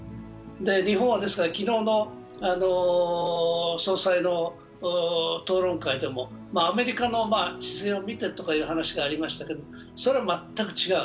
日本はですから、昨日の総裁の討論会でも、アメリカの姿勢を見てとかいう話がありましたけれどもそれは全く違う。